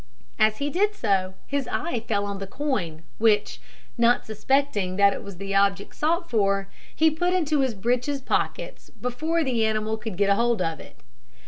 As he did so, his eye fell on the coin, which not suspecting that it was the object sought for he put into his breeches pocket before the animal could get hold of it.